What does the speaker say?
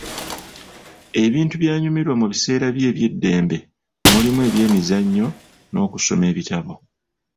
Ebintu by'anyumirwa mu biseera bye eby'eddembe mulimu ebyemizannyo n'okusoma ebitabo